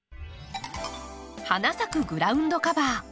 花咲くグラウンドカバー。